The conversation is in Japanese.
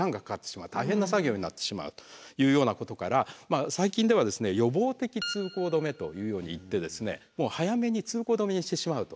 大変な作業になってしまうというようなことから最近では予防的通行止めというようにいってですねもう早めに通行止めにしてしまうと。